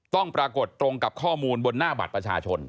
ปรากฏตรงกับข้อมูลบนหน้าบัตรประชาชน